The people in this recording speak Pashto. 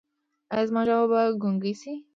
ایا زما ژبه به ګونګۍ شي؟